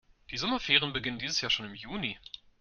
Die Sommerferien beginnen dieses Jahr schon im Juni.